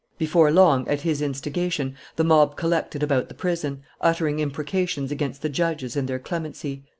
Before long, at his instigation, the mob collected about the prison, uttering imprecations against the judges and their clemency.